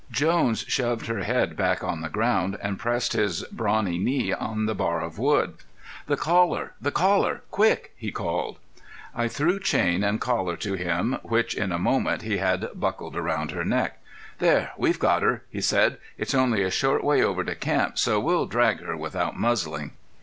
Jones shoved her head back on the ground and pressed his brawny knee on the bar of wood. "The collar! The collar! Quick!" he called. I threw chain and collar to him, which in a moment he had buckled round her neck. "There, we've got her!" he said. "It's only a short way over to camp, so we'll drag her without muzzling."